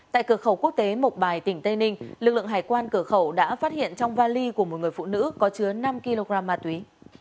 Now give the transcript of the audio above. tại cửa khẩu quốc tế mộc bài tỉnh tây ninh lực lượng hải quan cửa khẩu đã phát hiện trong vali của một người phụ nữ có chứa năm kg ma túy